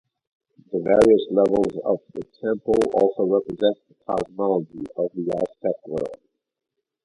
The various levels of the Temple also represent the cosmology of the Aztec world.